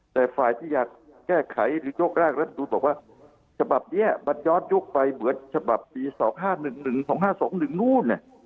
แต่ฝ่ายที่อยากแก้ไขหรือยกแรกรัฐดูบอกว่าฉบับนี้มันย้อนยุคไปเหมือนฉบับปี๒๕๑๑๒๕๒๑นู่น